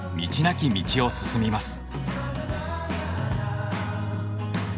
なき道を進みます。